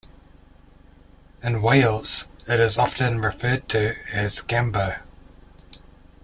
In Wales it is often referred to as a gambo.